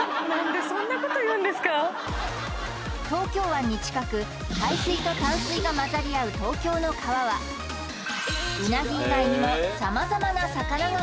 東京湾に近く海水と淡水が混ざり合う東京の川はうなぎ以外にもすげ！